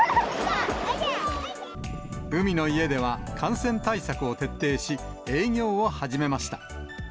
海の家では、感染対策を徹底し、営業を始めました。